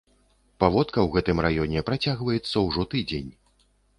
Паводка ў гэтым раёне працягваецца ўжо тыдзень.